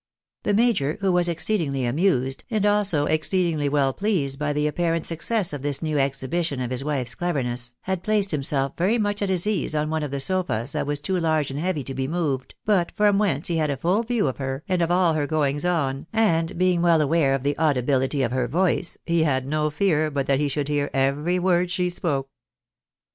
The major, who was exceedingly amused, and also exceedingly well pleased by the apparent success of this new exhibition of his wife's cleverness, had placed himself very much at his ease on one of the sofas that was too large and heavy to be moved, but from whence he had a full view of her, and of all her goings on, and being well aware of the audibility of her voice, he had no fear but that he shoujd hear every word she spoke.